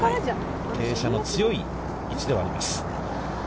傾斜の強い位置ではあります。